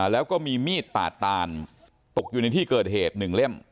แล้วก็มีมีดปาดตานตกอยู่ที่เกิดเหตุสักหนึ่งเล่ม